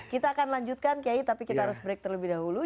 kita akan lanjutkan kiai tapi kita harus break terlebih dahulu